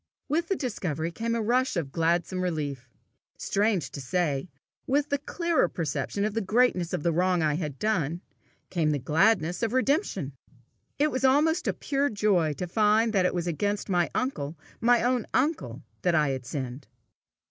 With the discovery came a rush of gladsome relief. Strange to say, with the clearer perception of the greatness of the wrong I had done, came the gladness of redemption. It was almost a pure joy to find that it was against my uncle, my own uncle, that I had sinned!